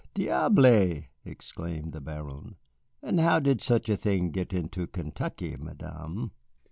diable," exclaimed the Baron. "And how did such a thing get into Kentucky, Madame?"